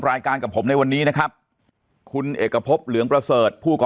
รายการกับผมในวันนี้นะครับคุณเอกพบเหลืองประเสริฐผู้ก่อ